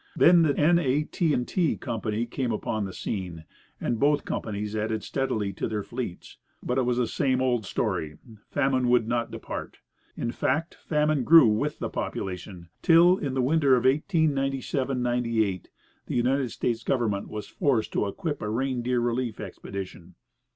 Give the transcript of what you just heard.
Then the N. A. T. & T. Company came upon the scene, and both companies added steadily to their fleets. But it was the same old story; famine would not depart. In fact, famine grew with the population, till, in the winter of 1897 1898, the United States government was forced to equip a reindeer relief expedition.